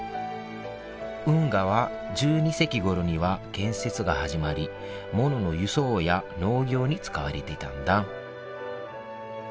運河は１２世紀ごろには建設が始まりものの輸送や農業に使われていたんだ